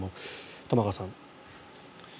玉川さん。